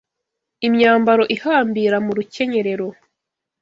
imyambaro ihambira mu rukenyerero